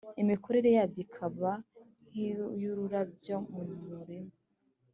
imikomerere yabyo ikaba nk’iy’ururabyo mu murima: